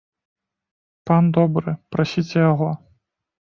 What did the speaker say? Пан добры, прасіце яго!